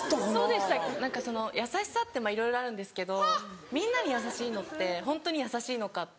何かその優しさっていろいろあるんですけどみんなに優しいのってホントに優しいのかっていう。